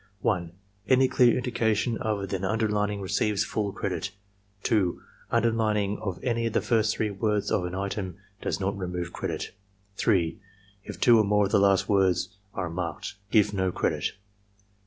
1. Any dear indication other than underlining receives full credit. 2. Underlining of any of the first three words of an item does not remove credit. 3. If two or more of the last four words are marked, give no credit.